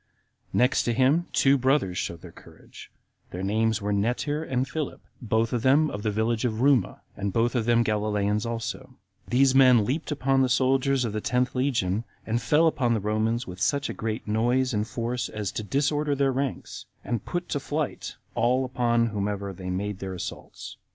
Next to him, two brothers showed their courage; their names were Netir and Philip, both of them of the village Ruma, and both of them Galileans also; these men leaped upon the soldiers of the tenth legion, and fell upon the Romans with such a noise and force as to disorder their ranks, and to put to flight all upon whomsoever they made their assaults.